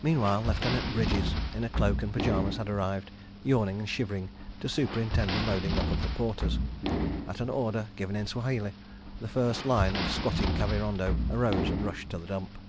Meanwhile, Lieutenant Bridges, in a cloak and pyjamas, had arrived, yawning and shivering, to superintend the loading up of the porters. At an order, given in Swahili, the first line of squatting Kavirondo arose and rushed to the dump.